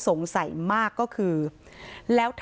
ต่างฝั่งในบอสคนขีดบิ๊กไบท์